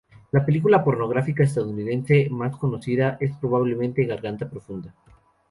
La película pornográfica estadounidense más conocida es probablemente "Garganta profunda".